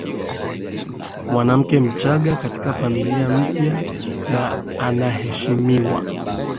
mwanamke mchanga katika familia mpya Na anaheshimiwa